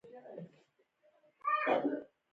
د نشه یي توکو ډولونه زیات دي اپین یې یو ډول دی.